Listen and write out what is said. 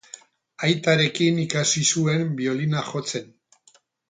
Aitarekin ikasi zuen biolina jotzen.